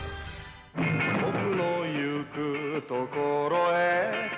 「僕のゆくところへ」